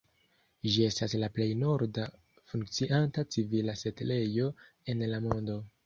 Ĝi estas la plej norda funkcianta civila setlejo en la mondo.